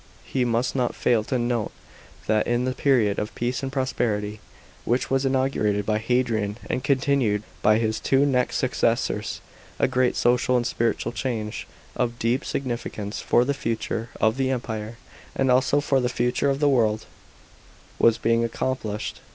We must not fail to note that in the period of peace and pro sperity which was inaugurated by Hadrian and continued by his two next successors, a great social and spiritual change, of deep significance for the future of the Empire and also for the future of the world, was being accompli shed.